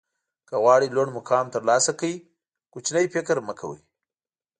که غواړئ لوړ مقام ترلاسه کړئ کوچنی فکر مه کوئ.